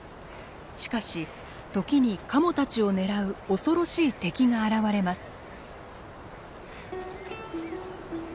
しかし時にカモたちを狙う恐ろしい敵が現れます。